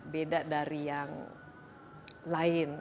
beda dari yang lain